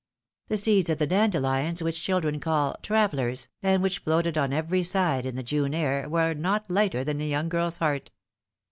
The seeds of the dandelions which children call travel lers,'^ and which floated on every side in the June air, were not lighter than the young girl's heart.